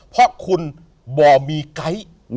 เพราะคุณบ่อมีไก๊